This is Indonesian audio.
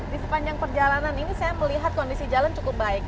di sepanjang perjalanan ini saya melihat kondisi jalan cukup baik